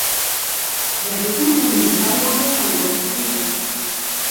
Bij de toenemende vrijhandel zijn er ook verliezers.